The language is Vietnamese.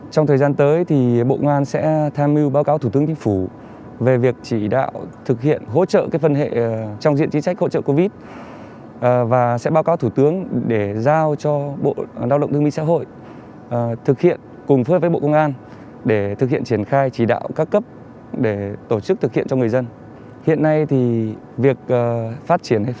trong thời gian tới thì bộ ngoan sẽ tham mưu báo cáo thủ tướng chính phủ về việc chỉ đạo thực hiện hỗ trợ cái phân hệ trong diện chính sách hỗ trợ covid và sẽ báo cáo thủ tướng để giao cho bộ đạo động thương minh xã hội thực hiện cùng với bộ công an để thực hiện triển khai chỉ đạo các cấp để tổ chức triển khai các cấp